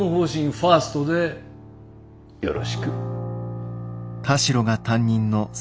ファーストでよろしく。